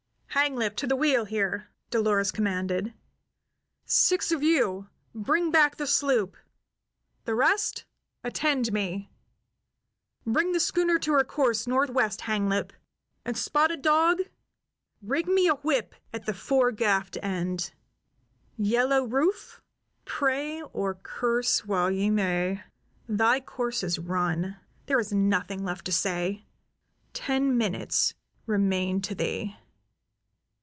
"Hanglip, to the wheel here!" Dolores commanded. "Six of you bring back the sloop. The rest attend me! Bring the schooner to her course, northwest, Hanglip; and, Spotted Dog, rig me a whip at the foregaff end. Yellow Rufe, pray or curse while ye may. Thy course is run. There is nothing left to say. Ten minutes remain to thee."